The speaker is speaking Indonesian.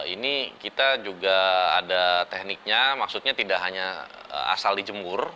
ini kita juga ada tekniknya maksudnya tidak hanya asal dijemur